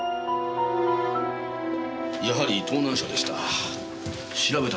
やはり盗難車でした。